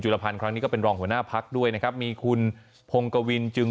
รพันธ์ครั้งนี้ก็เป็นรองหัวหน้าพักด้วยนะครับมีคุณพงกวินจึง